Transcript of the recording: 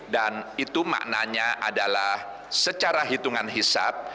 dan itu maknanya adalah secara hitungan hisab